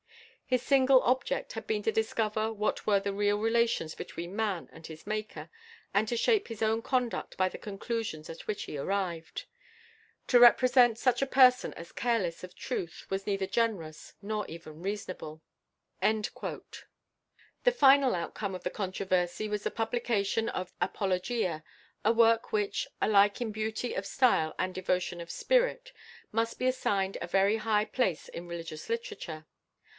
His single object had been to discover what were the real relations between man and his Maker, and to shape his own conduct by the conclusions at which he arrived. To represent such a person as careless of truth was neither generous nor even reasonable." The final outcome of the controversy was the publication of the "Apologia," a work which, alike in beauty of style and devotion of spirit, must be assigned a very high place in religious literature.